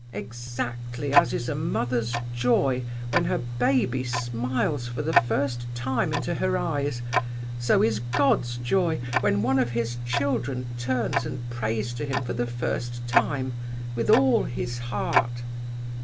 'Exactly as is a mother's joy when her baby smiles for the first time into her eyes, so is God's joy when one of His children turns and prays to Him for the first time, with all his heart!